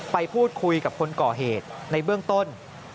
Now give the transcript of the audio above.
ไปพูดคุยกับคนก่อเหตุในเบื้องต้น